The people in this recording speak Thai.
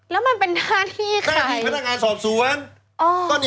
แล้วมันเป็นหน้าที่ค่ะหน้าที่พนักงานสอบสวน